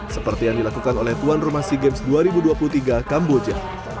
seperti yang dilakukan oleh tuan rumah sea games dua ribu dua puluh tiga kamboja